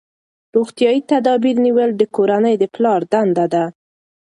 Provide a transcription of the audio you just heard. روغتیايي تدابیر نیول د کورنۍ د پلار دنده ده.